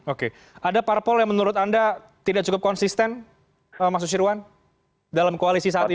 oke ada parpol yang menurut anda tidak cukup konsisten mas nusirwan dalam koalisi saat ini